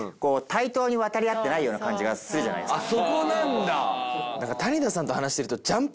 「対等に渡り合えてない気がするじゃないですか」